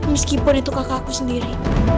meskipun itu kakak aku sendiri